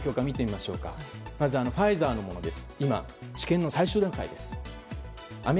まずファイザーのものです。